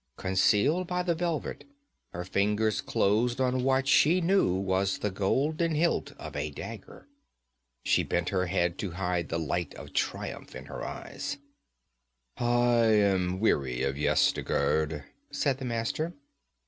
Concealed by the velvet, her fingers closed on what she knew was the golden hilt of a dagger. She bent her head to hide the light of triumph in her eyes. 'I am weary of Yezdigerd,' said the Master.